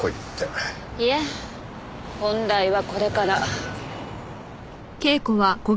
いえ本題はこれから。